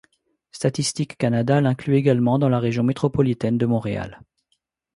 Statistique Canada l'inclut également dans la région métropolitaine de Montréal.